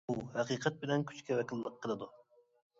ئۇ ھەقىقەت بىلەن كۈچكە ۋەكىللىك قىلىدۇ.